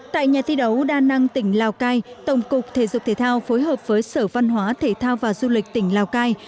tại nhà thi đấu đa năng tỉnh lào cai tổng cục thể dục thể thao phối hợp với sở văn hóa thể thao và du lịch tỉnh lào cai